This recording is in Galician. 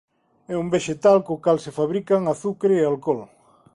É un vexetal co cal se fabrican azucre e alcol.